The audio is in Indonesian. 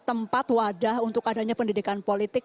tempat wadah untuk adanya pendidikan politik